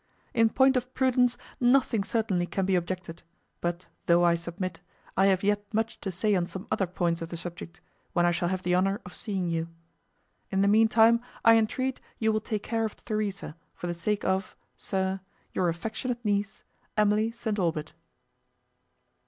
In point of prudence nothing certainly can be objected; but, though I submit, I have yet much to say on some other points of the subject, when I shall have the honour of seeing you. In the meantime I entreat you will take care of Theresa, for the sake of, "Sir, "Your affectionate niece, "EMILY ST. AUBERT."